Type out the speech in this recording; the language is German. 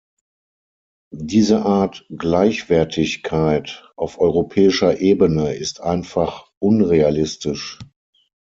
Diese Art Gleichwertigkeit auf europäischer Ebene ist einfach unrealistisch.